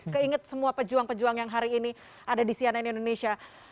keinget semua pejuang pejuang yang hari ini ada di cnn indonesia